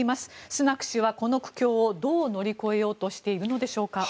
スナク氏はこの苦境をどう乗り越えようとしているのでしょうか。